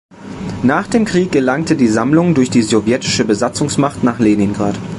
Nach dem Krieg gelangte die Sammlung durch die sowjetische Besatzungsmacht nach Leningrad.